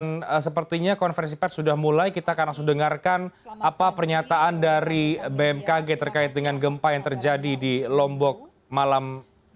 dan sepertinya konferensi peds sudah mulai kita akan langsung dengarkan apa pernyataan dari bmkg terkait dengan gempa yang terjadi di lombok malam ini